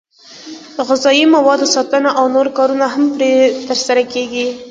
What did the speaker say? د غذایي موادو ساتنه او نور کارونه هم پرې ترسره کېږي.